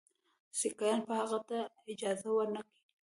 سیکهان به هغه ته اجازه ورنه کړي.